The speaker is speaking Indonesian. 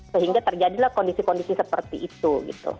sehingga terjadilah kondisi kondisi seperti itu gitu